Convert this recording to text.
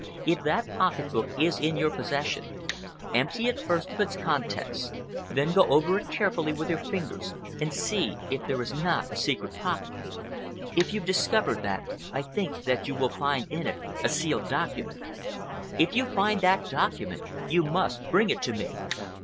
If that pocket book is in your possession, empty it first of its contents, then go over it carefully with your fingers and see if there is not a secret pocket. If you discover that, I think that you will find in it a sealed document. If you find that document, you must bring it to me."